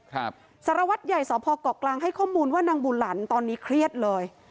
สารวัตรใหญ่สพเกาะกลางให้ข้อมูลว่านางบุหลันตอนนี้เครียดเลย